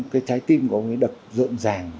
cái trái tim của ông ấy đậc rộn ràng